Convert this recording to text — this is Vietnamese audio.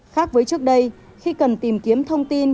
khác với trước đây khi cần tìm kiếm thông tin